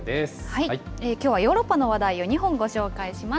きょうはヨーロッパの話題を２本、ご紹介します。